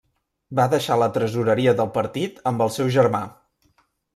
Va deixar la tresoreria del partit amb el seu germà.